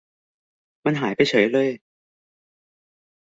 มันหายไปเฉยเลย